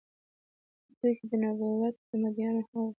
په دوی کې د نبوت مدعيانو هم وو